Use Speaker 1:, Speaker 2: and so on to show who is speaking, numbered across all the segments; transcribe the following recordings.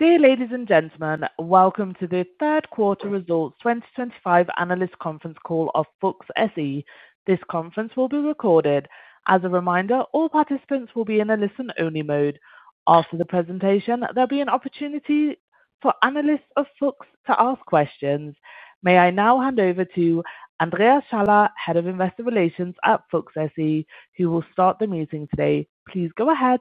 Speaker 1: Dear ladies and gentlemen, welcome to the Third Quarter Results 2025 Analyst Conference Call of Fuchs SE. This conference will be recorded. As a reminder, all participants will be in a listen-only mode. After the presentation, there'll be an opportunity for analysts of Fuchs to ask questions. May I now hand over to Andreas Schaller, Head of Investor Relations at Fuchs SE, who will start the meeting today. Please go ahead.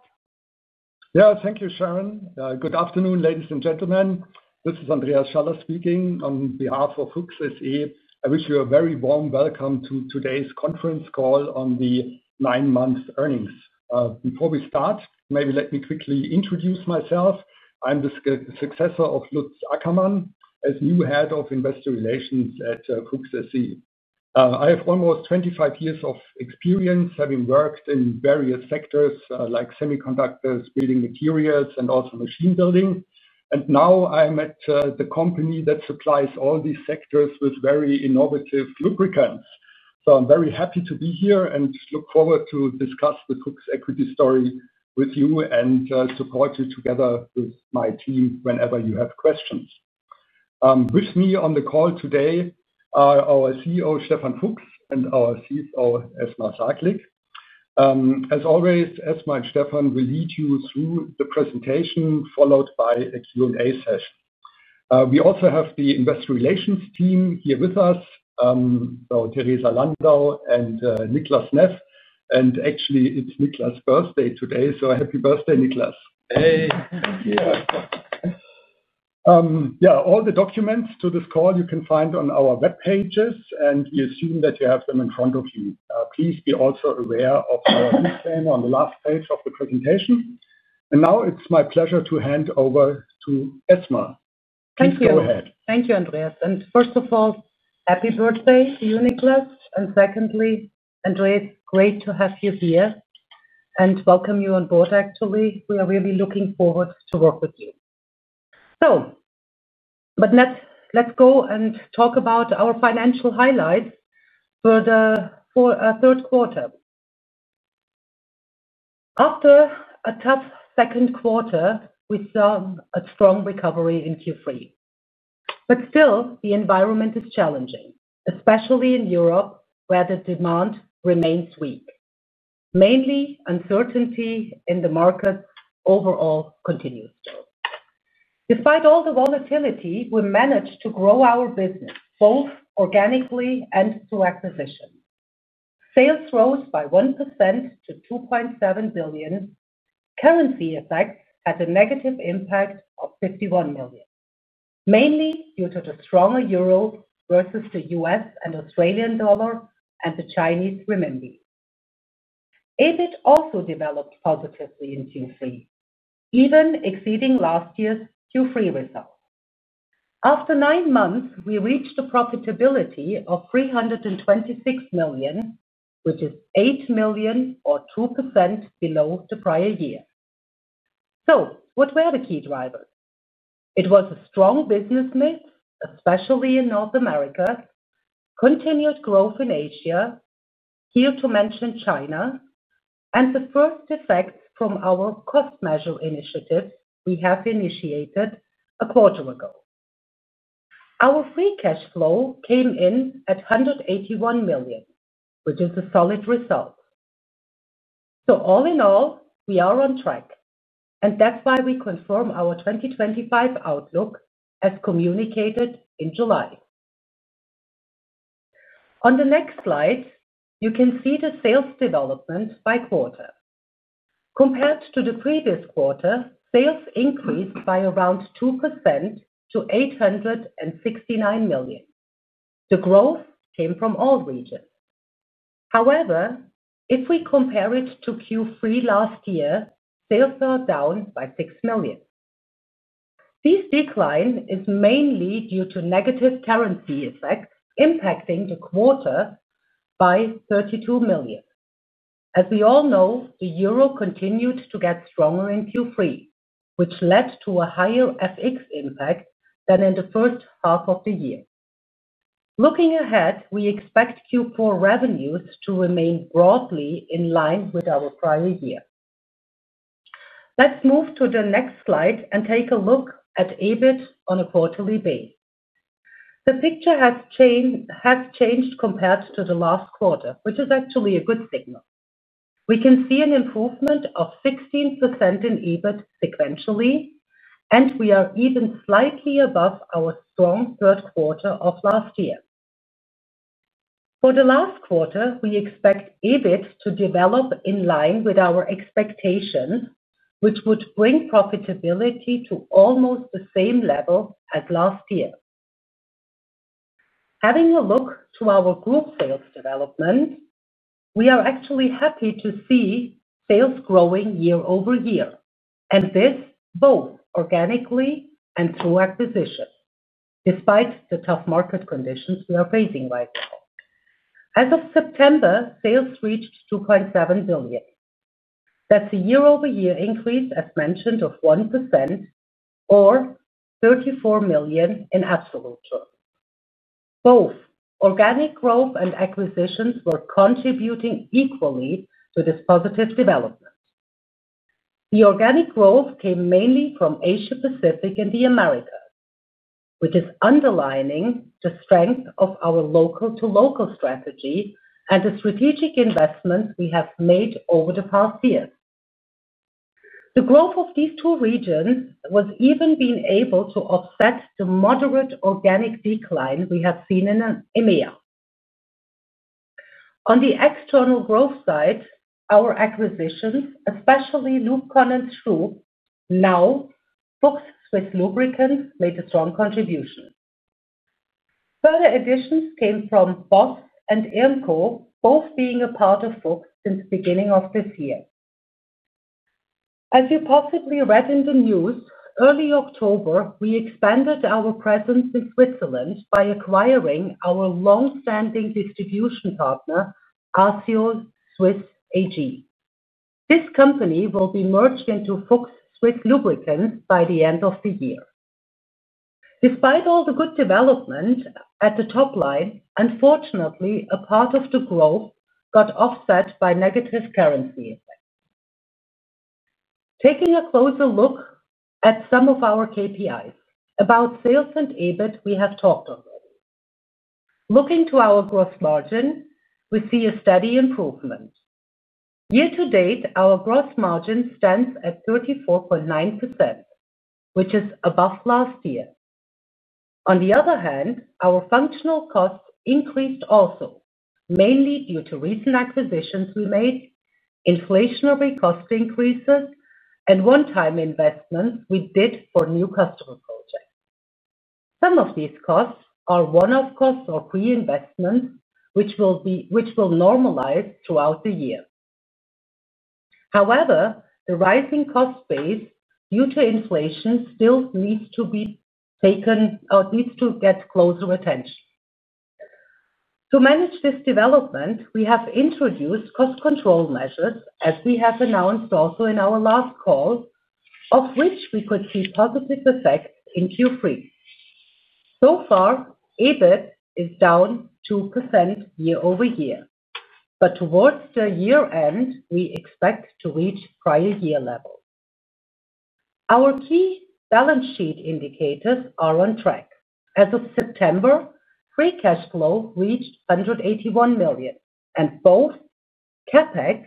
Speaker 2: Yeah, thank you, Sharon. Good afternoon, ladies and gentlemen. This is Andreas Schaller speaking on behalf of Fuchs SE. I wish you a very warm welcome to today's conference call on the nine-month earnings. Before we start, maybe let me quickly introduce myself. I'm the successor of Lutz Ackermann as new Head of Investor Relations at Fuchs SE. I have almost 25 years of experience having worked in various sectors like semiconductors, building materials, and also machine building. I'm at the company that supplies all these sectors with very innovative lubricants. I'm very happy to be here and look forward to discussing the Fuchs equity story with you and supporting you together with my team whenever you have questions. With me on the call today are our CEO, Stefan Fuchs, and our CFO, Esma Saglik. As always, Esma and Stefan will lead you through the presentation followed by a Q&A session. We also have the investor relations team here with us, Theresa Landau and Niklas Neff. Actually, it's Niklas' birthday today, so happy birthday, Niklas.
Speaker 3: Hey.
Speaker 2: Yeah.
Speaker 1: Yeah, all the documents to this call you can find on our web pages, and we assume that you have them in front of you. Please be also aware of our disclaimer on the last page of the presentation. Now it's my pleasure to hand over to Esma. Please go ahead.
Speaker 3: Thank you. Thank you, Andreas. First of all, happy birthday to you, Niklas. Secondly, Andreas, great to have you here and welcome you on board, actually. We are really looking forward to working with you. Let's go and talk about our financial highlights for the third quarter. After a tough second quarter, we saw a strong recovery in Q3. The environment is still challenging, especially in Europe where the demand remains weak. Mainly, uncertainty in the markets overall continues. Despite all the volatility, we managed to grow our business both organically and through acquisition. Sales rose by 1% to 2.7 billion. Currency effects had a negative impact of 51 million, mainly due to the stronger euro versus the U.S. and Australian dollar and the Chinese renminbi. EBIT also developed positively in Q3, even exceeding last year's Q3 results. After nine months, we reached a profitability of 326 million, which is 8 million or 2% below the prior year. What were the key drivers? It was a strong business mix, especially in North America, continued growth in Asia, here to mention China, and the first effects from our cost measure initiatives we have initiated a quarter ago. Our free cash flow came in at 181 million, which is a solid result. All in all, we are on track, and that's why we confirm our 2025 outlook as communicated in July. On the next slide, you can see the sales development by quarter. Compared to the previous quarter, sales increased by around 2% to 869 million. The growth came from all regions. However, if we compare it to Q3 last year, sales are down by 6 million. This decline is mainly due to negative currency effects impacting the quarter by 32 million. As we all know, the euro continued to get stronger in Q3, which led to a higher FX impact than in the first half of the year. Looking ahead, we expect Q4 revenues to remain broadly in line with our prior year. Let's move to the next slide and take a look at EBIT on a quarterly basis. The picture has changed compared to the last quarter, which is actually a good signal. We can see an improvement of 16% in EBIT sequentially, and we are even slightly above our strong third quarter of last year. For the last quarter, we expect EBIT to develop in line with our expectations, which would bring profitability to almost the same level as last year. Having a look to our group sales development. We are actually happy to see sales growing year over year, and this both organically and through acquisitions, despite the tough market conditions we are facing right now. As of September, sales reached 2.7 billion. That's a year-over-year increase, as mentioned, of 1%, or 34 million in absolute terms. Both organic growth and acquisitions were contributing equally to this positive development. The organic growth came mainly from Asia-Pacific and the Americas, which is underlining the strength of our local-to-local strategy and the strategic investments we have made over the past year. The growth of these two regions was even able to offset the moderate organic decline we have seen in EMEA. On the external growth side, our acquisitions, especially LUBCON, now Fuchs Swiss Lubricants, made a strong contribution. Further additions came from Boss and IRMCO, both being a part of Fuchs since the beginning of this year. As you possibly read in the news, early October, we expanded our presence in Switzerland by acquiring our long-standing distribution partner, Roseo Swiss AG. This company will be merged into Fuchs Swiss Lubricants by the end of the year. Despite all the good development at the top line, unfortunately, a part of the growth got offset by negative currency effects. Taking a closer look at some of our KPIs, about sales and EBIT, we have talked already. Looking to our gross margin, we see a steady improvement. Year to date, our gross margin stands at 34.9%, which is above last year. On the other hand, our functional costs increased also, mainly due to recent acquisitions we made, inflationary cost increases, and one-time investments we did for new customer projects. Some of these costs are one-off costs or pre-investments, which will normalize throughout the year. However, the rising cost base due to inflation still needs to be taken or needs to get closer attention. To manage this development, we have introduced cost control measures, as we have announced also in our last call, of which we could see positive effects in Q3. So far, EBIT is down 2% year over year, but towards the year-end, we expect to reach prior-year levels. Our key balance sheet indicators are on track. As of September, free cash flow reached 181 million, and both CapEx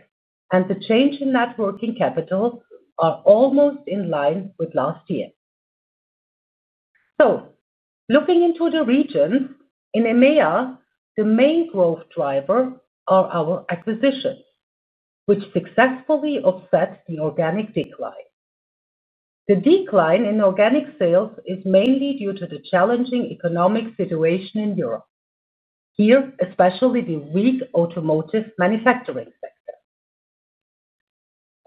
Speaker 3: and the change in net working capital are almost in line with last year. Looking into the regions, in EMEA, the main growth driver are our acquisitions, which successfully offset the organic decline. The decline in organic sales is mainly due to the challenging economic situation in Europe, here especially the weak automotive manufacturing sector.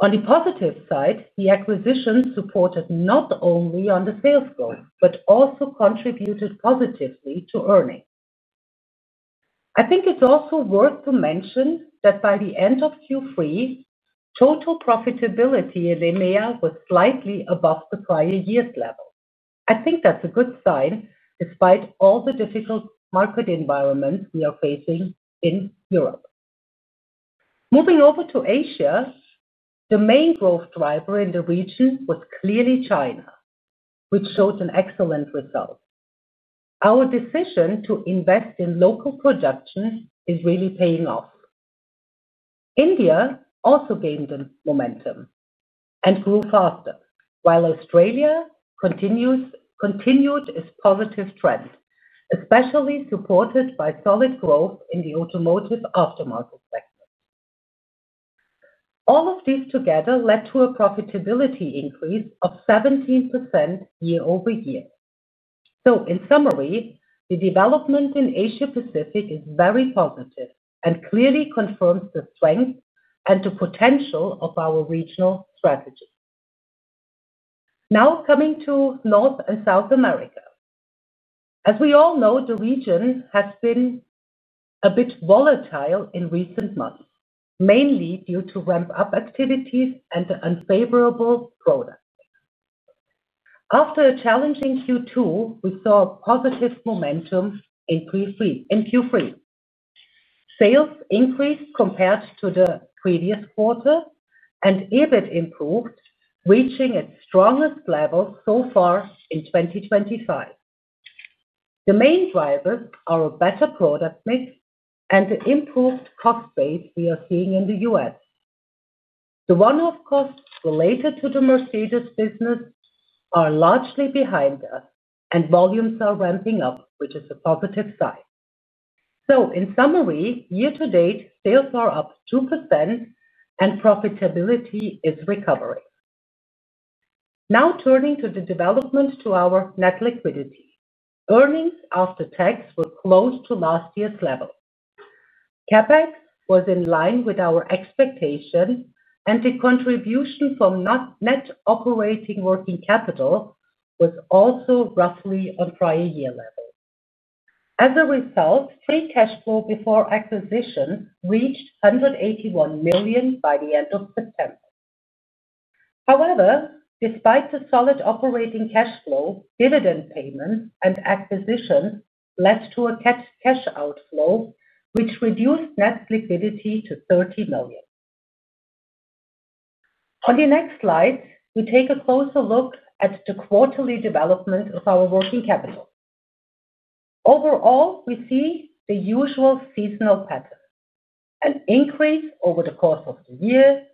Speaker 3: On the positive side, the acquisitions supported not only the sales growth but also contributed positively to earnings. I think it's also worth to mention that by the end of Q3, total profitability in EMEA was slightly above the prior-year level. I think that's a good sign despite all the difficult market environments we are facing in Europe. Moving over to Asia, the main growth driver in the region was clearly China, which showed an excellent result. Our decision to invest in local production is really paying off. India also gained momentum and grew faster, while Australia continued. This positive trend, especially supported by solid growth in the automotive aftermarket segment. All of these together led to a profitability increase of 17% year over year. In summary, the development in Asia-Pacific is very positive and clearly confirms the strength and the potential of our regional strategy. Now coming to North and South America. As we all know, the region has been a bit volatile in recent months, mainly due to ramp-up activities and unfavorable products. After a challenging Q2, we saw positive momentum in Q3. Sales increased compared to the previous quarter, and EBIT improved, reaching its strongest level so far in 2025. The main drivers are a better product mix and the improved cost base we are seeing in the U.S. The one-off costs related to the Mercedes-Benz business are largely behind us, and volumes are ramping up, which is a positive sign. In summary, year to date, sales are up 2%, and profitability is recovering. Now turning to the development to our net liquidity. Earnings after tax were close to last year's level. CapEx was in line with our expectations, and the contribution from net operating working capital was also roughly on prior-year levels. As a result, free cash flow before acquisition reached 181 million by the end of September. However, despite the solid operating cash flow, dividend payments and acquisitions led to a cash outflow, which reduced net liquidity to 30 million. On the next slide, we take a closer look at the quarterly development of our working capital. Overall, we see the usual seasonal pattern: an increase over the course of the year,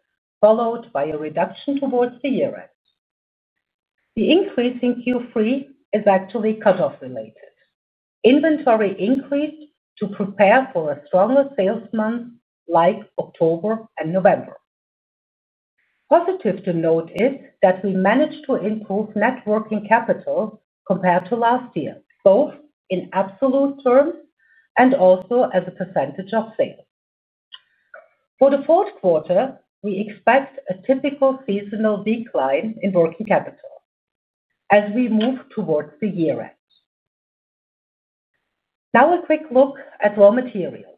Speaker 3: followed by a reduction towards the year-end. The increase in Q3 is actually cut-off related. Inventory increased to prepare for a stronger sales month like October and November. Positive to note is that we managed to improve net working capital compared to last year, both in absolute terms and also as a percentage of sales. For the fourth quarter, we expect a typical seasonal decline in working capital as we move towards the year-end. Now a quick look at raw materials.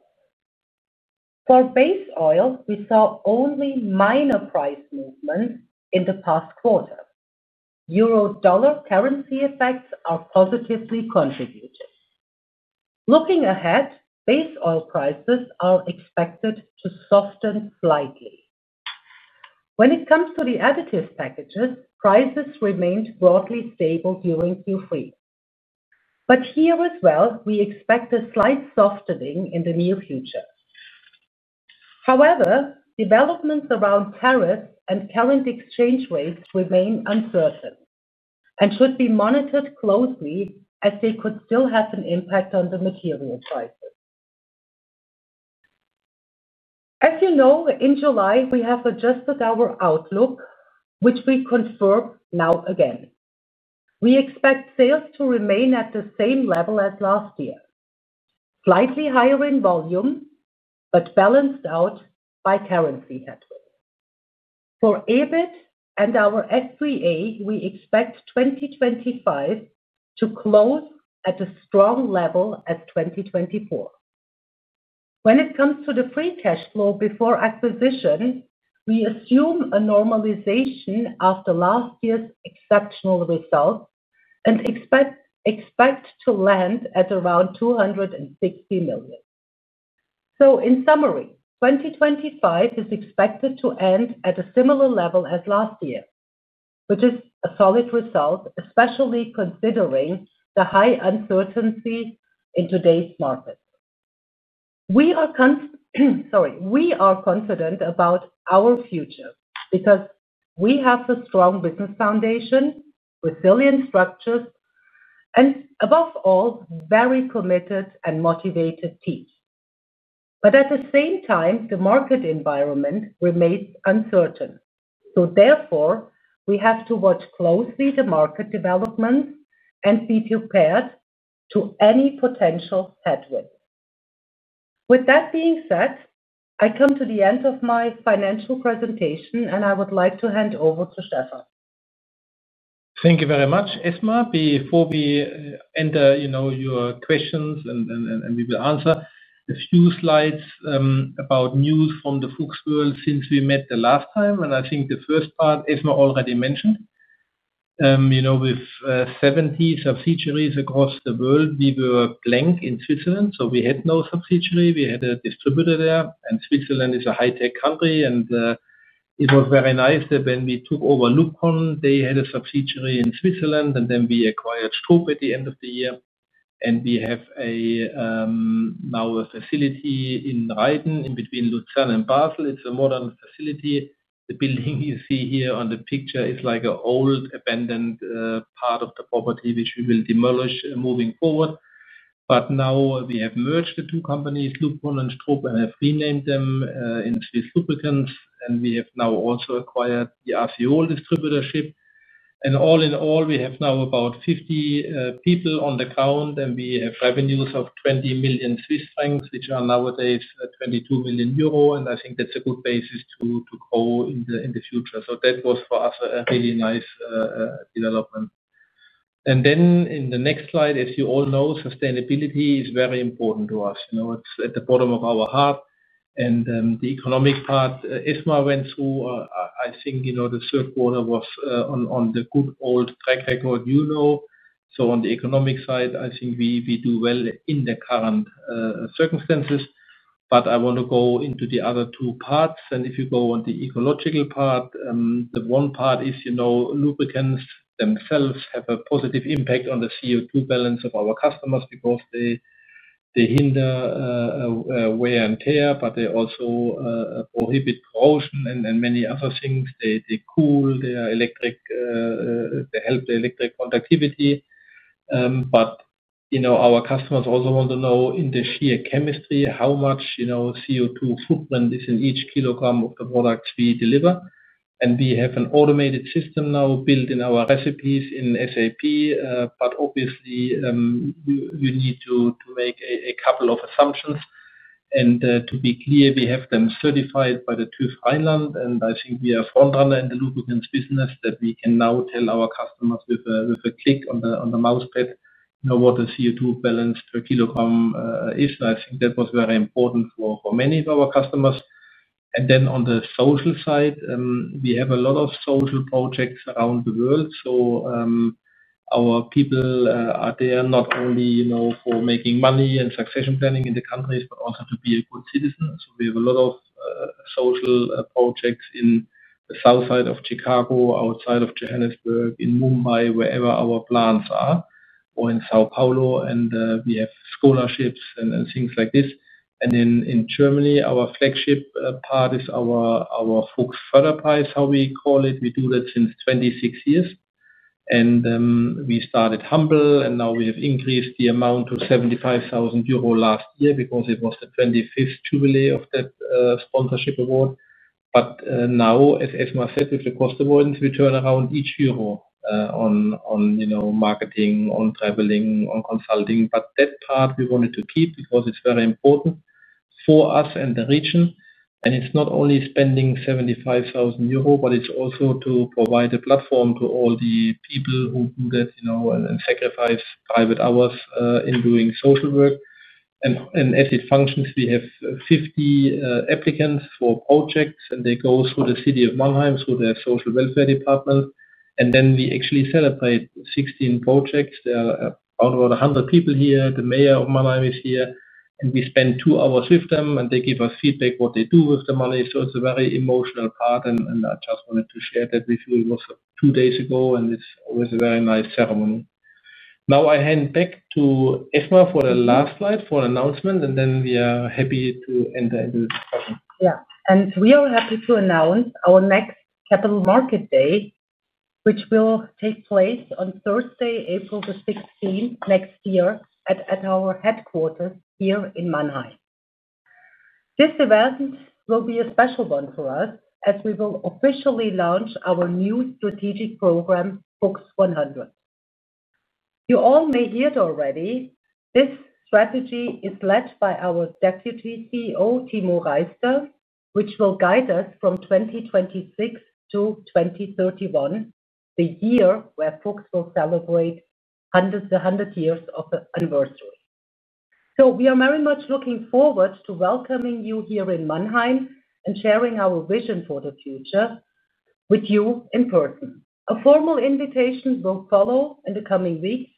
Speaker 3: For base oil, we saw only minor price movements in the past quarter. Euro/dollar currency effects are positively contributing. Looking ahead, base oil prices are expected to soften slightly. When it comes to the additive packages, prices remained broadly stable during Q3. Here as well, we expect a slight softening in the near future. However, developments around tariffs and current exchange rates remain uncertain and should be monitored closely, as they could still have an impact on the material prices. As you know, in July, we have adjusted our outlook, which we confirm now again. We expect sales to remain at the same level as last year, slightly higher in volume, but balanced out by currency headway. For EBIT and our F3A, we expect 2025 to close at a strong level as 2024. When it comes to the free cash flow before acquisition, we assume a normalization after last year's exceptional results and expect to land at around $260 million. In summary, 2025 is expected to end at a similar level as last year, which is a solid result, especially considering the high uncertainty in today's market. We are confident about our future because we have a strong business foundation, resilient structures, and above all, very committed and motivated teams. At the same time, the market environment remains uncertain. Therefore, we have to watch closely the market developments and be prepared for any potential headwinds. With that being said, I come to the end of my financial presentation, and I would like to hand over to Stefan.
Speaker 4: Thank you very much, Esma. Before we enter your questions and we will answer, a few slides about news from the Fuchs world since we met the last time. I think the first part, Esma already mentioned. With 70 subsidiaries across the world, we were blank in Switzerland. We had no subsidiary. We had a distributor there. Switzerland is a high-tech country. It was very nice that when we took over LUBCON, they had a subsidiary in Switzerland. Then we acquired STRUB group at the end of the year. We have. Now a facility in Switzerland, in between Luzern and Basel. It's a modern facility. The building you see here on the picture is like an old abandoned part of the property, which we will demolish moving forward. We have merged the two companies, LUBCON and STRUB group, and have renamed them in Fuchs Swiss Lubricants. We have now also acquired the Roseo Swiss AG distributorship. All in all, we have now about 50 people on the ground. We have revenues of 20 million Swiss francs, which are nowadays 22 million euro. I think that's a good basis to go in the future. That was, for us, a really nice development. In the next slide, as you all know, sustainability is very important to us. It's at the bottom of our heart. The economic part, Esma Saglik went through. I think the third quarter was on the good old track record you know. On the economic side, I think we do well in the current circumstances. I want to go into the other two parts. If you go on the ecological part, the one part is lubricants themselves have a positive impact on the CO2 balance of our customers because they hinder wear and tear, but they also prohibit corrosion and many other things. They cool the electric. They help the electric conductivity. Our customers also want to know in the sheer chemistry how much CO2 footprint is in each kilogram of the products we deliver. We have an automated system now built in our recipes in SAP. Obviously, you need to make a couple of assumptions. To be clear, we have them certified by TÜV Rheinland. I think we are a front-runner in the lubricants business that we can now tell our customers with a click on the mousepad what the CO2 balance per kg is. I think that was very important for many of our customers. On the social side, we have a lot of social projects around the world. Our people are there not only for making money and succession planning in the countries, but also to be a good citizen. We have a lot of social projects in the south side of Chicago, outside of Johannesburg, in Mumbai, wherever our plants are, or in São Paulo. We have scholarships and things like this. In Germany, our flagship part is our Fuchs Förderpreis, how we call it. We do that since 26 years. We started humble. Now we have increased the amount to 75,000 euro last year because it was the 25th jubilee of that sponsorship award. As Esma said, with the cost avoidance, we turn around each euro on marketing, on traveling, on consulting. That part we wanted to keep because it's very important for us and the region. It's not only spending 75,000 euro, but it's also to provide a platform to all the people who do that and sacrifice private hours in doing social work. As it functions, we have 50 applicants for projects. They go through the city of Mannheim, through their social welfare department. We actually celebrate 16 projects. There are around 100 people here. The mayor of Mannheim is here. We spend two hours with them. They give us feedback on what they do with the money. It's a very emotional part. I just wanted to share that with you. It was two days ago. It's always a very nice ceremony. I hand back to Esma for the last slide for an announcement. We are happy to enter into the discussion. Yeah.
Speaker 3: We are happy to announce our next Capital Market Day, which will take place on Thursday, April 16, next year at our headquarters here in Mannheim. This event will be a special one for us as we will officially launch our new strategic program, Fuchs 100. You all may hear it already. This strategy is led by our Deputy CEO, Timo Reister, which will guide us from 2026 to 2031, the year where Fuchs will celebrate 100 years of anniversary. We are very much looking forward to welcoming you here in Mannheim and sharing our vision for the future with you in person. A formal invitation will follow in the coming weeks.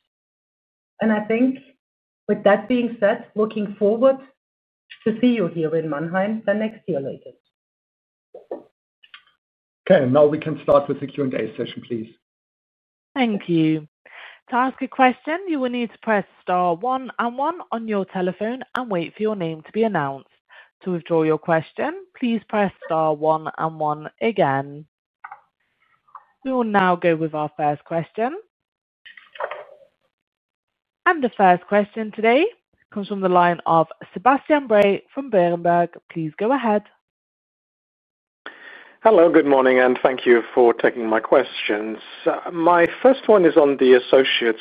Speaker 3: I think with that being said, looking forward to see you here in Mannheim next year, ladies.
Speaker 2: Now we can start with the Q&A session, please. Thank you.
Speaker 1: To ask a question, you will need to press star one and one on your telephone and wait for your name to be announced. To withdraw your question, please press star one and one again. We will now go with our first question. The first question today comes from the line of Sebastian Bray from Berenberg. Please go ahead.
Speaker 5: Hello. Good morning. Thank you for taking my questions. My first one is on the associates'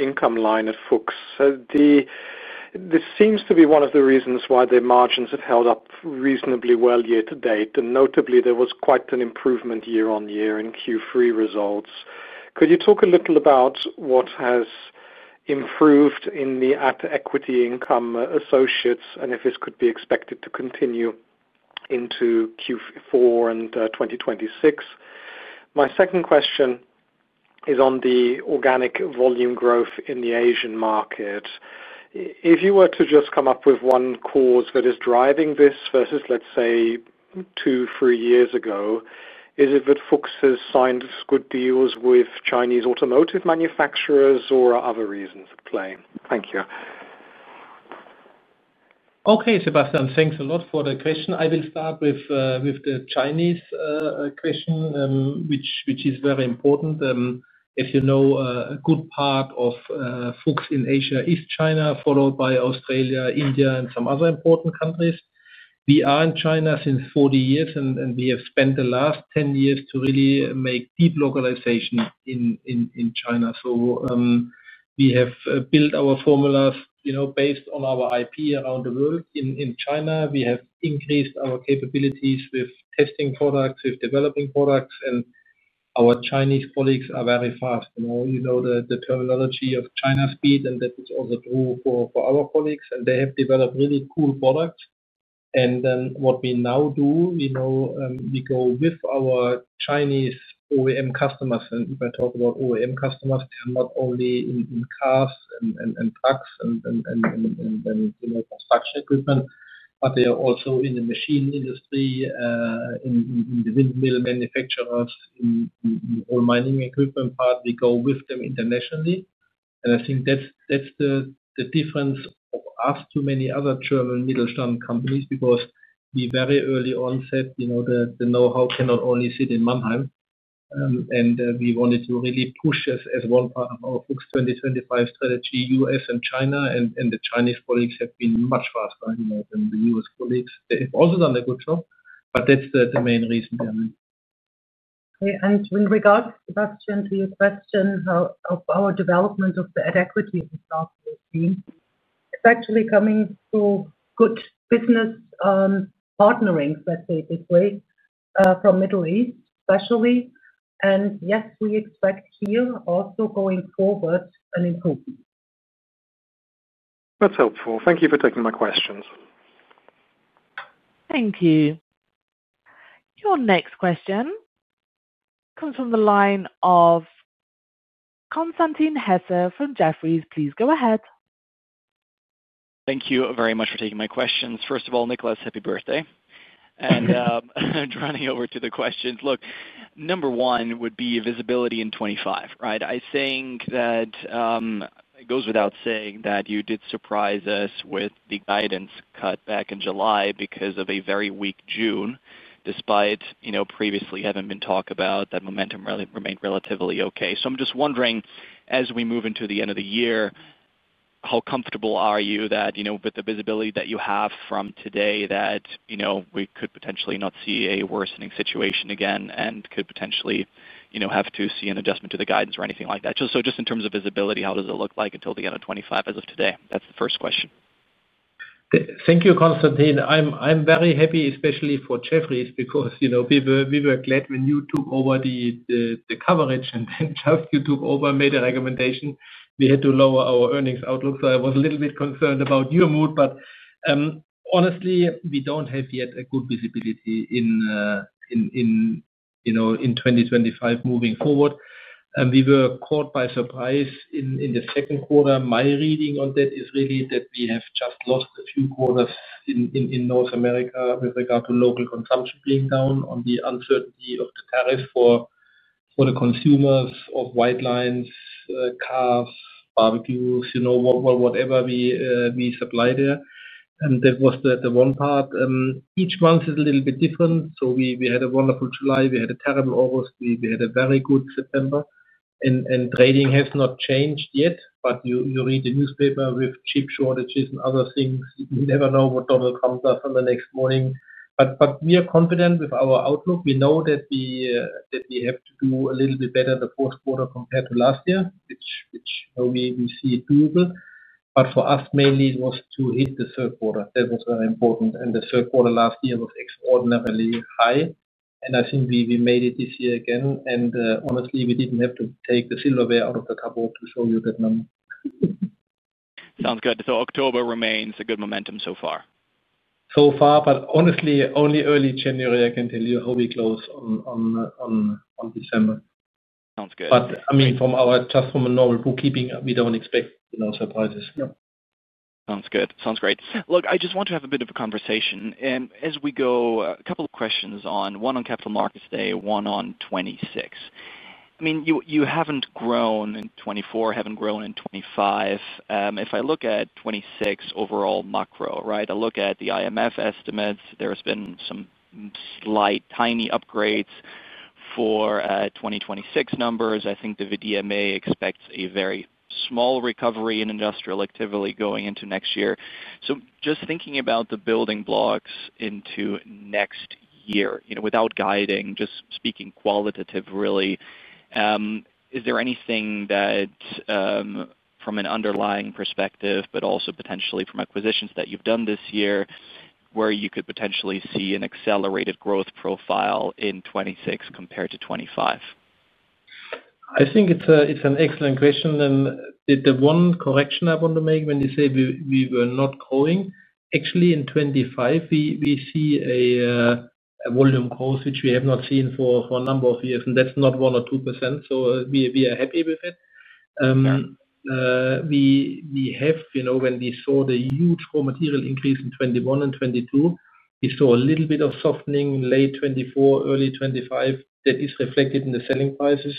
Speaker 5: income line at Fuchs. This seems to be one of the reasons why their margins have held up reasonably well year to date. Notably, there was quite an improvement year on year in Q3 results. Could you talk a little about what has improved in the at-equity income associates and if this could be expected to continue into Q4 and 2026? My second question is on the organic volume growth in the Asian market. If you were to just come up with one cause that is driving this versus, let's say, two, three years ago, is it that Fuchs has signed good deals with Chinese automotive manufacturers or are other reasons at play? Thank you.
Speaker 4: Okay, Sebastian, thanks a lot for the question. I will start with the Chinese question, which is very important. As you know, a good part of Fuchs in Asia is China, followed by Australia, India, and some other important countries. We are in China since 40 years, and we have spent the last 10 years to really make deep localization in China. We have built our formulas based on our IP around the world. In China, we have increased our capabilities with testing products, with developing products. Our Chinese colleagues are very fast. You know the terminology of China speed, and that is also true for our colleagues. They have developed really cool products. What we now do, we go with our Chinese OEM customers. If I talk about OEM customers, they are not only in cars and trucks and construction equipment, but they are also in the machine industry, in the windmill manufacturers, in the whole mining equipment part. We go with them internationally. I think that's the difference of us to many other German Mittelstand companies because we very early on said the know-how cannot only sit in Mannheim. We wanted to really push as one part of our Fuchs 2025 strategy, U.S. and China. The Chinese colleagues have been much faster than the U.S. colleagues. They have also done a good job, but that's the main reason behind it.
Speaker 3: In regards, Sebastian, to your question of our development of the at-equity in South Asia, it's actually coming through good business partnerings, let's say it this way, from Middle East especially. Yes, we expect here also going forward an improvement.
Speaker 1: That's helpful. Thank you for taking my questions. Thank you. Your next question comes from the line of Constantine Hesser from Jefferies. Please go ahead.
Speaker 6: Thank you very much for taking my questions. First of all, Niklas, happy birthday. Turning over to the questions. Number one would be visibility in 2025, right? I think that it goes without saying that you did surprise us with the guidance cut back in July because of a very weak June, despite previously having been talked about that momentum remained relatively okay. I'm just wondering, as we move into the end of the year, how comfortable are you with the visibility that you have from today that we could potentially not see a worsening situation again and could potentially have to see an adjustment to the guidance or anything like that? Just in terms of visibility, how does it look like until the end of 2025 as of today? That's the first question.
Speaker 4: Thank you, Constantine. I'm very happy, especially for Jefferies, because we were glad when you took over the coverage and then you took over and made a recommendation. We had to lower our earnings outlook. I was a little bit concerned about your mood. Honestly, we don't have yet a good visibility in 2025 moving forward. We were caught by surprise in the second quarter. My reading on that is really that we have just lost a few quarters in North America with regard to local consumption being down on the uncertainty of the tariff for the consumers of white lines, cars, barbecues, whatever we supply there. That was the one part. Each month is a little bit different. We had a wonderful July. We had a terrible August. We had a very good September. Trading has not changed yet. You read the newspaper with chip shortages and other things. You never know what Donald Trump does on the next morning. We are confident with our outlook. We know that we have to do a little bit better in the fourth quarter compared to last year, which we see as doable. For us, mainly, it was to hit the third quarter. That was very important. The third quarter last year was extraordinarily high. I think we made it this year again. Honestly, we didn't have to take the silverware out of the cupboard to show you that number.
Speaker 6: Sounds good. October remains a good momentum so far?
Speaker 4: So far. Honestly, only early January, I can tell you how we close on December.
Speaker 6: Sounds good.
Speaker 4: Just from a normal bookkeeping, we don't expect surprises. No.
Speaker 6: Sounds good. Sounds great. I just want to have a bit of a conversation. As we go, a couple of questions on one on Capital Market Day, one on 2026. You haven't grown in 2024, haven't grown in 2025. If I look at 2026 overall macro, I look at the IMF estimates, there have been some slight, tiny upgrades for 2026 numbers. I think the VDMA expects a very small recovery in industrial activity going into next year. Just thinking about the building blocks into next year, without guiding, just speaking qualitatively, is there anything that, from an underlying perspective but also potentially from acquisitions that you've done this year, where you could potentially see an accelerated growth profile in 2026 compared to 2025?
Speaker 4: I think it's an excellent question. The one correction I want to make when you say we were not growing, actually, in 2025, we see a volume growth which we have not seen for a number of years, and that's not 1 or 2%. We are happy with it. When we saw the huge raw material increase in 2021 and 2022, we saw a little bit of softening in late 2024, early 2025. That is reflected in the selling prices.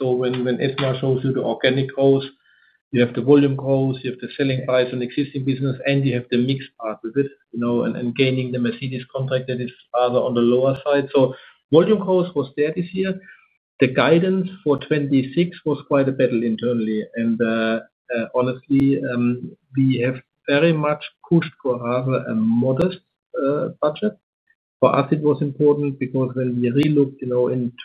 Speaker 4: When Esma shows you the organic growth, you have the volume growth, you have the selling price on existing business, and you have the mixed part with it. Gaining the Mercedes-Benz contract, that is rather on the lower side, so volume growth was there this year. The guidance for 2026 was quite a battle internally. Honestly, we have very much pushed for rather a modest budget. For us, it was important because when we relooked in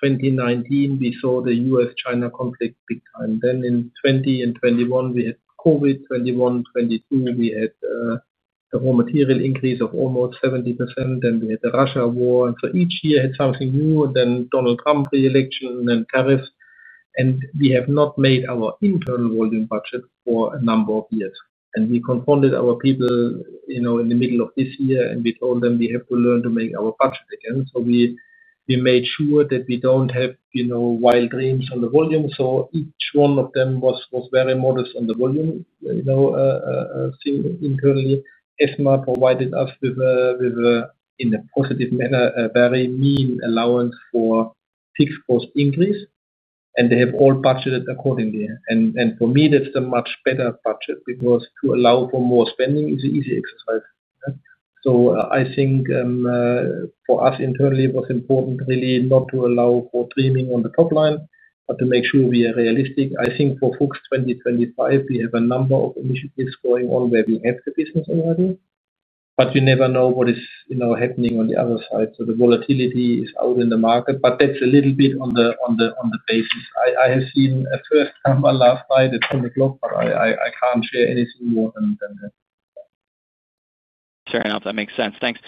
Speaker 4: 2019, we saw the U.S.-China conflict big time. Then in 2020 and 2021, we had COVID. In 2021 and 2022, we had a raw material increase of almost 70%. Then we had the Russia war, and each year had something new. Then Donald Trump re-election and then tariffs. We have not made our internal volume budget for a number of years, and we confronted our people in the middle of this year. We told them we have to learn to make our budget again, so we made sure that we don't have wild dreams on the volume. Each one of them was very modest on the volume. Internally, Esma provided us with, in a positive manner, a very mean allowance for fixed cost increase, and they have all budgeted accordingly. For me, that's a much better budget because to allow for more spending is an easy exercise. For us internally, it was important really not to allow for dreaming on the top line, but to make sure we are realistic. For Fuchs 2025, we have a number of initiatives going on where we have the business already, but we never know what is happening on the other side. The volatility is out in the market, but that's a little bit on the basis. I have seen a first number last night at 10:00 P.M., but I can't share anything more than that.
Speaker 6: Fair enough. That makes sense. Thanks.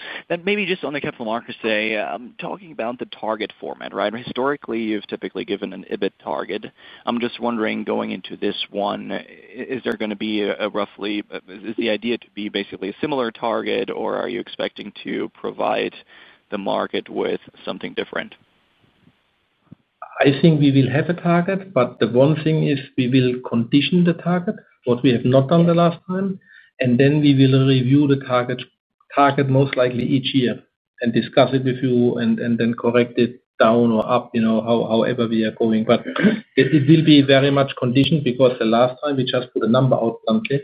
Speaker 6: Maybe just on the Capital Market Day, talking about the target format, right? Historically, you've typically given an EBIT target. I'm just wondering, going into this one, is the idea to be basically a similar target, or are you expecting to provide the market with something different?
Speaker 4: I think we will have a target. The one thing is we will condition the target, which we have not done the last time. We will review the target most likely each year and discuss it with you and then correct it down or up, however we are going. It will be very much conditioned because the last time we just put a number out bluntly.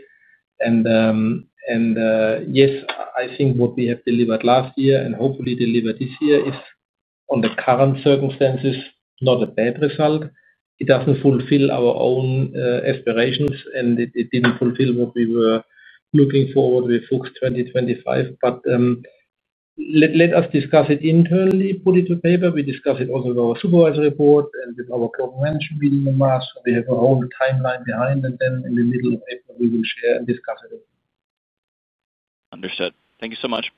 Speaker 4: I think what we have delivered last year and hopefully deliver this year is, on the current circumstances, not a bad result. It doesn't fulfill our own aspirations. It didn't fulfill what we were looking for with Fuchs 2025. Let us discuss it internally, put it to paper. We discuss it also with our Supervisory Board and with our government. We have our own timeline behind it. In the middle of April, we will share and discuss it.
Speaker 6: Understood. Thank you so much.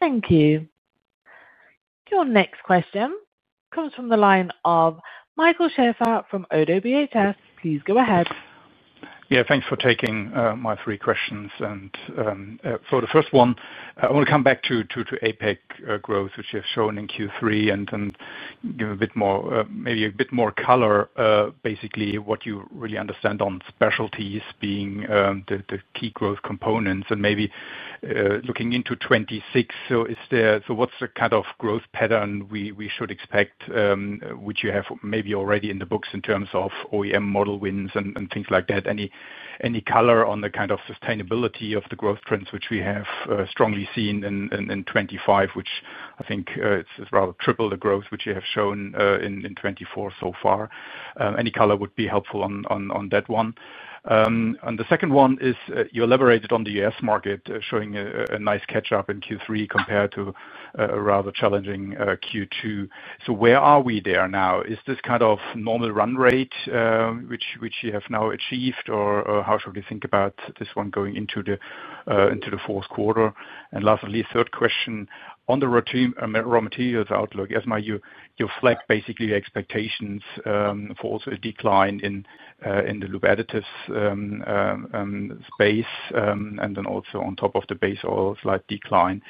Speaker 1: Thank you. Your next question comes from the line of Michael Schaefer from ODDO BHF. Please go ahead.
Speaker 7: Thanks for taking my three questions. For the first one, I want to come back to Asia-Pacific growth, which you have shown in Q3, and give a bit more, maybe a bit more color, basically what you really understand on specialties being the key growth components and maybe looking into 2026. What's the kind of growth pattern we should expect, which you have maybe already in the books in terms of OEM model wins and things like that? Any color on the kind of sustainability of the growth trends which we have strongly seen in 2025, which I think is rather triple the growth which you have shown in 2024 so far? Any color would be helpful on that one. The second one is you elaborated on the U.S. market, showing a nice catch-up in Q3 compared to a rather challenging Q2. Where are we there now? Is this kind of normal run rate which you have now achieved, or how should we think about this one going into the fourth quarter? Lastly, third question, on the raw materials outlook, Esma, you flagged basically expectations for also a decline in the lube additives space and then also on top of the base oil slight decline.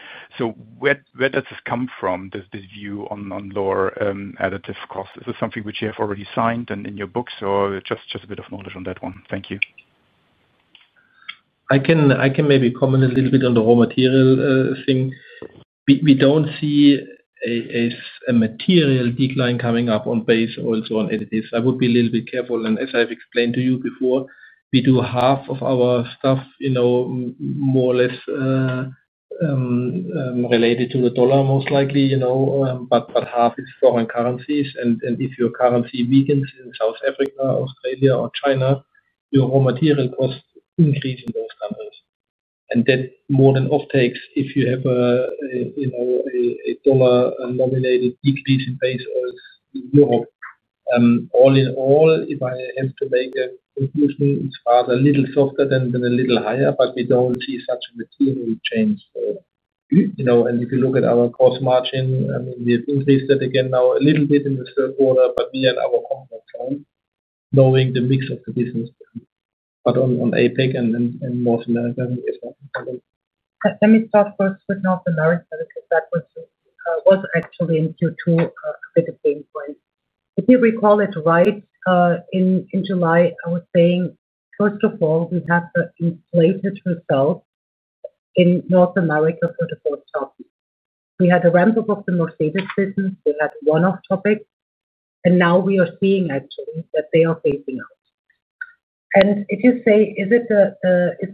Speaker 7: Where does this come from, this view on lower additive costs? Is this something which you have already signed and in your books or just a bit of knowledge on that one? Thank you.
Speaker 4: I can maybe comment a little bit on the raw material thing. We don't see a material decline coming up on base oil and additives. I would be a little bit careful. As I've explained to you before, we do half of our stuff more or less related to the dollar, most likely, but half is foreign currencies. If your currency weakens in South Africa, Australia, or China, your raw material costs increase in those countries, and that more than offtakes if you have a dollar-nominated decrease in base oils in Europe. All in all, if I have to make a conclusion, it's rather a little softer than a little higher, but we don't see such a material change for. If you look at our cost margin, I mean, we have increased that again now a little bit in the third quarter, but we are in our comfort zone knowing the mix of the business. On Asia-Pacific and North America,
Speaker 3: let me start first with North America because that was actually in Q2 a bit of pain points. If you recall it right, in July, I was saying, first of all, we have the inflated result in North America for the first time. We had a ramp-up of the Mercedes-Benz business. We had one-off topics, and now we are seeing, actually, that they are phasing out. If you say, is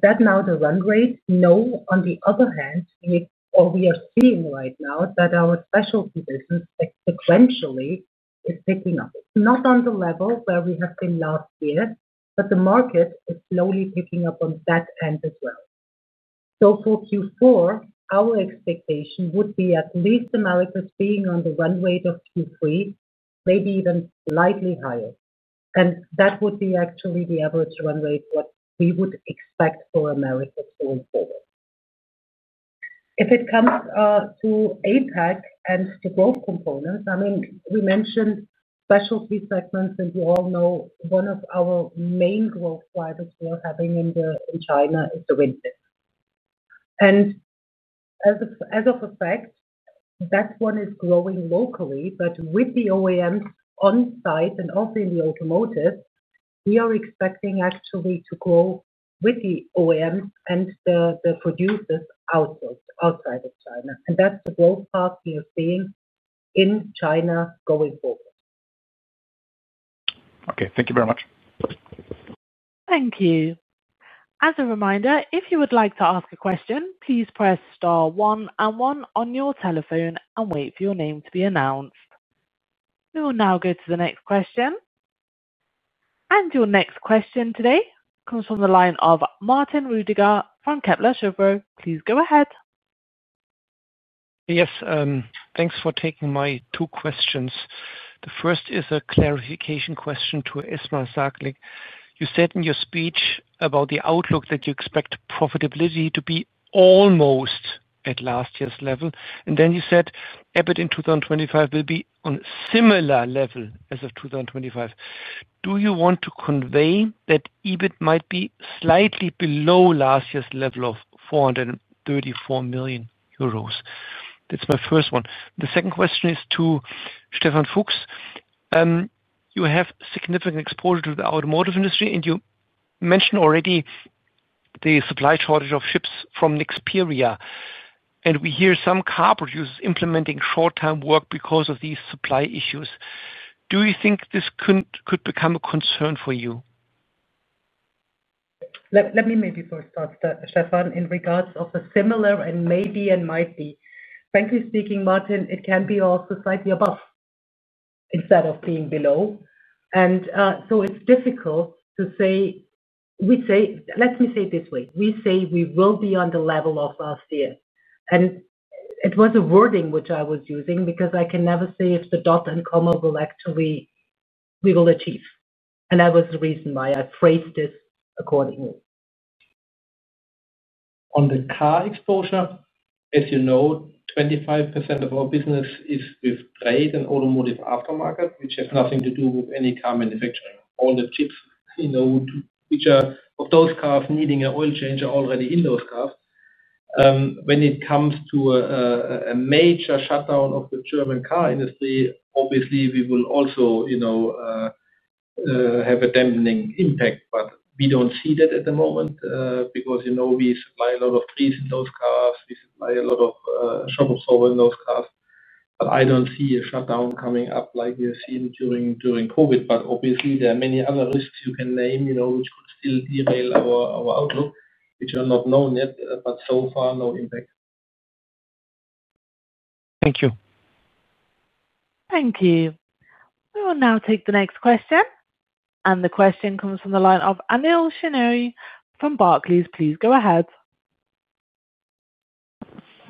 Speaker 3: that now the run rate? No. On the other hand, we are seeing right now that our specialty business sequentially is picking up. It's not on the level where we have been last year, but the market is slowly picking up on that end as well. For Q4, our expectation would be at least Americas being on the run rate of Q3, maybe even slightly higher, and that would be actually the average run rate, what we would expect for Americas going forward. If it comes to Asia-Pacific and to growth components, I mean, we mentioned specialty segments, and you all know one of our main growth drivers we are having in China is the wind system. As of effect, that one is growing locally, but with the OEMs on site and also in the automotive, we are expecting actually to grow with the OEMs and the producers outside of China, and that's the growth path we are seeing in China going forward.
Speaker 7: Thank you very much.
Speaker 1: Thank you. As a reminder, if you would like to ask a question, please press star one and one on your telephone and wait for your name to be announced. We will now go to the next question. Your next question today comes from the line of Martin Roediger from Kepler Cheuvreux. Please go ahead.
Speaker 8: Yes. Thanks for taking my two questions. The first is a clarification question to Esma Saglik. You said in your speech about the outlook that you expect profitability to be almost at last year's level. Then you said EBIT in 2025 will be on a similar level as of 2025. Do you want to convey that EBIT might be slightly below last year's level of 434 million euros? That's my first one. The second question is to Stefan Fuchs. You have significant exposure to the automotive industry, and you mentioned already the supply shortage of chips from Nexperia. We hear some car producers implementing short-term work because of these supply issues. Do you think this could become a concern for you?
Speaker 3: Let me maybe first start, Stefan, in regards of a similar and maybe and might be. Frankly speaking, Martin, it can be also slightly above instead of being below. It's difficult to say. Let me say it this way. We say we will be on the level of last year. It was a wording which I was using because I can never say if the dot and comma will actually, we will achieve. That was the reason why I phrased this accordingly.
Speaker 4: On the car exposure, as you know, 25% of our business is with trade and automotive aftermarket, which has nothing to do with any car manufacturing. All the chips which are of those cars needing an oil change are already in those cars. When it comes to a major shutdown of the German car industry, obviously, we will also have a dampening impact. We don't see that at the moment because we supply a lot of trees in those cars. We supply a lot of shop of solar in those cars. I don't see a shutdown coming up like we have seen during COVID. Obviously, there are many other risks you can name which could still derail our outlook, which are not known yet, but so far, no impact.
Speaker 8: Thank you.
Speaker 1: Thank you. We will now take the next question. The question comes from the line of Anil Shineri from Barclays. Please go ahead.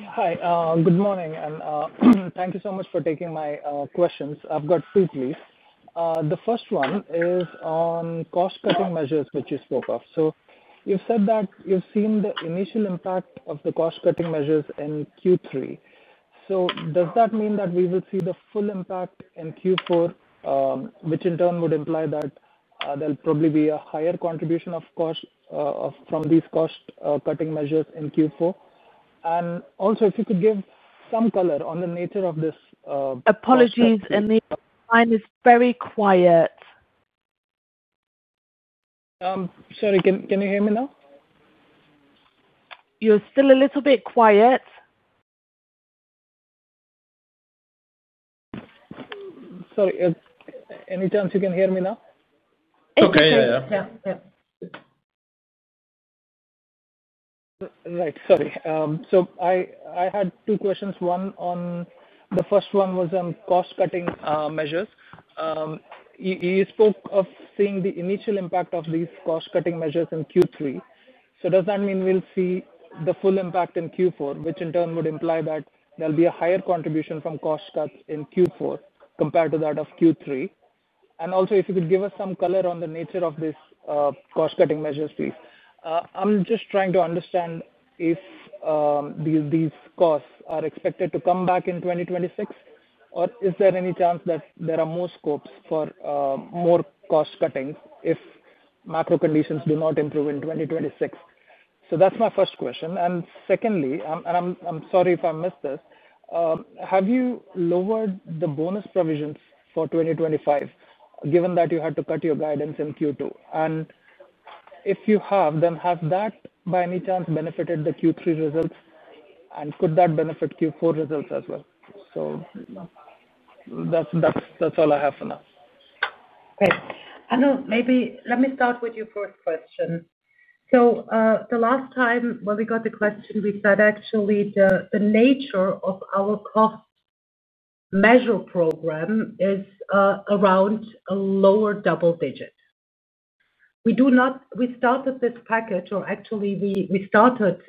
Speaker 9: Hi. Good morning. Thank you so much for taking my questions. I've got three, please. The first one is on cost-cutting measures, which you spoke of. You've said that you've seen the initial impact of the cost-cutting measures in Q3. Does that mean that we will see the full impact in Q4, which in turn would imply that there'll probably be a higher contribution, of course, from these cost-cutting measures in Q4? If you could give some color on the nature of this.
Speaker 1: Apologies, Anil. The line is very quiet.
Speaker 9: Sorry. Can you hear me now?
Speaker 1: You're still a little bit quiet. Sorry.
Speaker 9: Any chance you can hear me now?
Speaker 3: Okay. Yeah. Yeah. Yeah. Yeah.
Speaker 9: Right. Sorry. I had two questions. One, the first one was on cost-cutting measures. You spoke of seeing the initial impact of these cost-cutting measures in Q3. Does that mean we'll see the full impact in Q4, which in turn would imply that there'll be a higher contribution from cost cuts in Q4 compared to that of Q3? If you could give us some color on the nature of these cost-cutting measures, please. I'm just trying to understand if these costs are expected to come back in 2026, or is there any chance that there are more scopes for more cost cuttings if macro conditions do not improve in 2026? That's my first question. Secondly, and I'm sorry if I missed this. Have you lowered the bonus provisions for 2025, given that you had to cut your guidance in Q2? If you have, then has that, by any chance, benefited the Q3 results? Could that benefit Q4 results as well? That's all I have for now.
Speaker 3: Anil, maybe let me start with your first question. The last time when we got the question, we said the nature of our cost measure program is around a lower double digit. We started this package, or actually, we started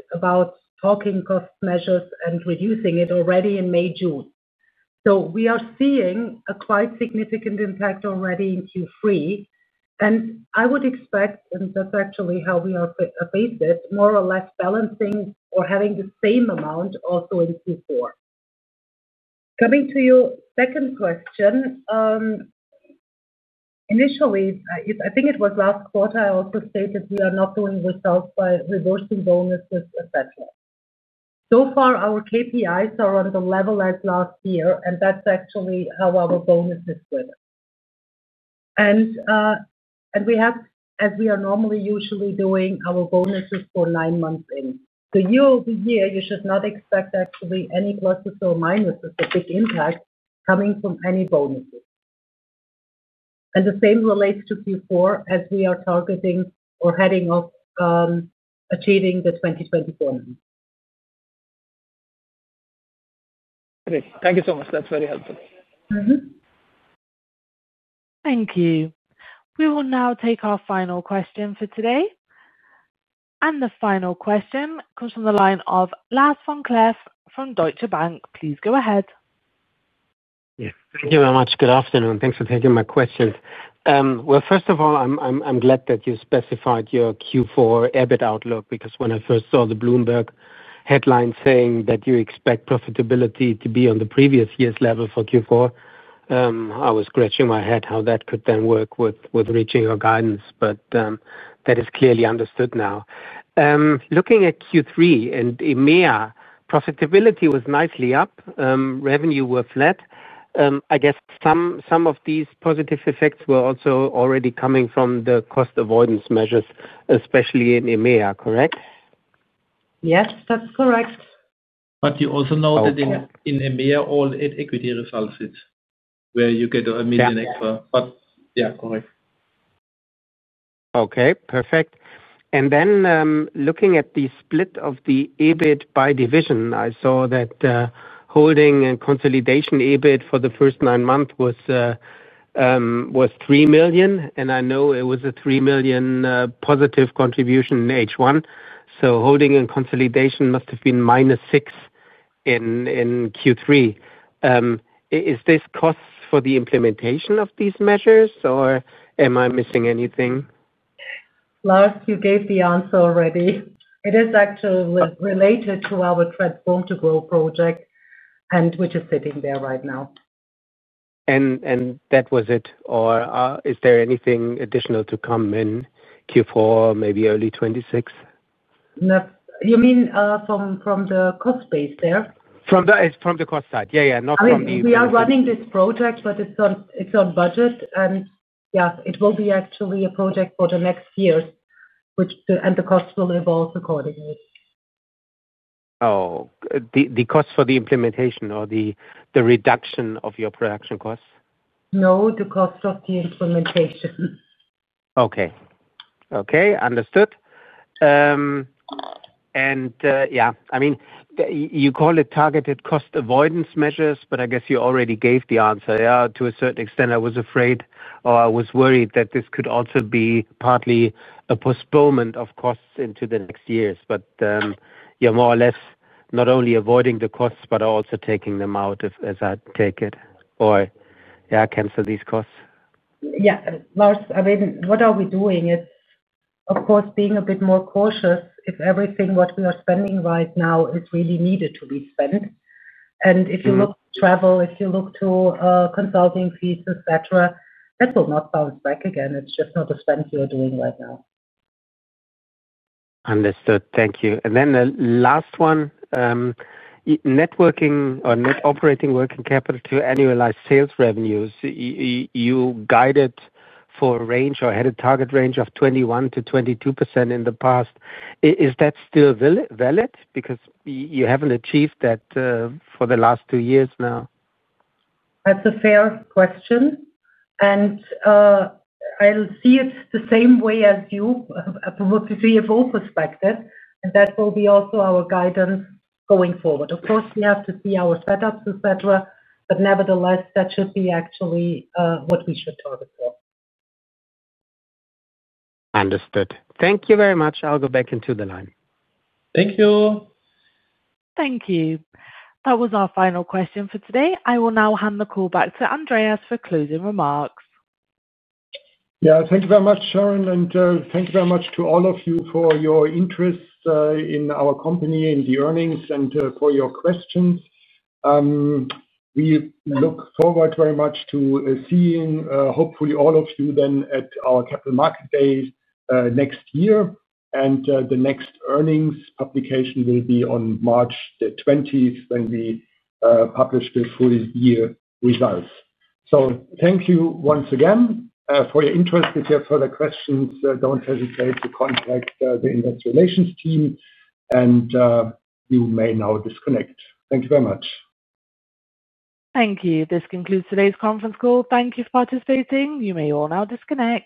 Speaker 3: talking cost measures and reducing it already in May, June. We are seeing a quite significant impact already in Q3. I would expect, and that's actually how we are faced with, more or less balancing or having the same amount also in Q4. Coming to your second question. Initially, I think it was last quarter, I also stated we are not doing results by reversing bonuses, etc. So far, our KPIs are on the level as last year, and that's actually how our bonuses were. As we are normally usually doing, our bonuses for nine months in. Year over year, you should not expect actually any pluses or minuses of big impact coming from any bonuses. The same relates to Q4 as we are targeting or heading off achieving the 2024.
Speaker 9: Thank you so much. That's very helpful.
Speaker 1: Thank you. We will now take our final question for today. The final question comes from the line of Lars Vom Cleff from Deutsche Bank. Please go ahead.
Speaker 10: Yes. Thank you very much. Good afternoon. Thanks for taking my question. First of all, I'm glad that you specified your Q4 EBIT outlook because when I first saw the Bloomberg headline saying that you expect profitability to be on the previous year's level for Q4, I was scratching my head how that could then work with reaching your guidance, but that is clearly understood now. Looking at Q3 and EMEA, profitability was nicely up. Revenue were flat. I guess some of these positive effects were also already coming from the cost avoidance measures, especially in EMEA, correct?
Speaker 3: Yes, that's correct.
Speaker 10: You also noted in EMEA all eight equity results where you get a million extra.
Speaker 4: Yeah, correct. Perfect.
Speaker 10: Looking at the split of the EBIT by division, I saw that holding and consolidation EBIT for the first nine months was $3 million. I know it was a $3 million positive contribution in H1, so holding and consolidation must have been minus $6 million in Q3. Is this cost for the implementation of these measures, or am I missing anything?
Speaker 3: Lars, you gave the answer already. It is actually related to our transform to grow project, which is sitting there right now.
Speaker 10: That was it? Or is there anything additional to come in Q4, maybe early 2026? You mean from the cost base there? From the cost side.
Speaker 3: Yeah, yeah. Not from the—I mean, we are running this project, but it's on budget. It will be actually a project for the next year, and the cost will evolve accordingly.
Speaker 10: Oh, the cost for the implementation or the reduction of your production costs?
Speaker 3: No, the cost of the implementation.
Speaker 10: Okay. Understood. You call it targeted cost avoidance measures, but I guess you already gave the answer. To a certain extent, I was afraid or I was worried that this could also be partly a postponement of costs into the next years. You're more or less not only avoiding the costs, but also taking them out, as I take it, or cancel these costs.
Speaker 3: Lars, what are we doing? It's, of course, being a bit more cautious if everything we are spending right now is really needed to be spent. If you look to travel, if you look to consulting fees, etc., that will not bounce back again. It's just not a spend we are doing right now.
Speaker 10: Understood. Thank you. The last one. Networking or net operating working capital to annualize sales revenues. You guided for a range or had a target range of 21% to 22% in the past. Is that still valid? Because you haven't achieved that for the last two years now.
Speaker 3: That's a fair question. I see it the same way as you, from a CFO perspective. That will be also our guidance going forward. Of course, we have to see our setups, etc., but nevertheless, that should be actually what we should target for.
Speaker 10: Understood. Thank you very much. I'll go back into the line.
Speaker 4: Thank you.
Speaker 1: Thank you. That was our final question for today. I will now hand the call back to Andreas for closing remarks.
Speaker 3: Thank you very much, Sharon. Thank you very much to all of you for your interest in our company, in the earnings, and for your questions. We look forward very much to seeing, hopefully, all of you then at our Capital Market Day next year. The next earnings publication will be on March 20th when we publish the full year results. Thank you once again for your interest. If you have further questions, don't hesitate to contact the investor relations team. You may now disconnect. Thank you very much.
Speaker 1: Thank you. This concludes today's conference call. Thank you for participating. You may all now disconnect.